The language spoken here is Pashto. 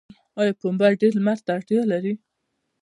آیا پنبه ډیر لمر ته اړتیا لري؟